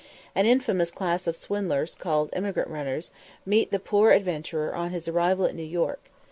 An infamous class of swindlers, called "emigrant runners," meet the poor adventurer on his arrival at New York.